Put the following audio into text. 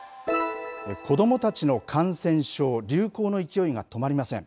子どもたちの感染症、流行の勢いが止まりません。